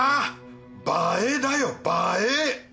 映えだよ映え！